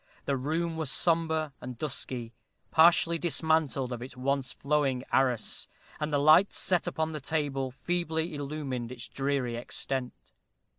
The room was sombre and dusky, partially dismantled of its once flowing arras, and the lights set upon the table feebly illumined its dreary extent.